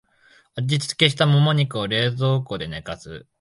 味付けしたモモ肉を冷蔵庫で寝かす